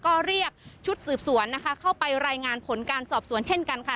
ก็เรียกชุดสืบสวนนะคะเข้าไปรายงานผลการสอบสวนเช่นกันค่ะ